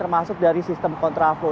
masuk dari sistem kontraflow